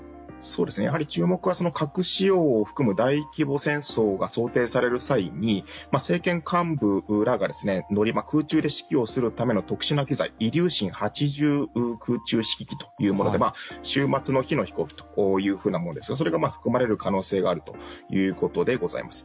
やはり注目は核使用を含む大規模戦争が想定される際に政権幹部らが空中で指揮をするための特殊な機材イリューシン８０空中指揮機というもので終末の日の飛行機というものですがそれが含まれる可能性があるということです。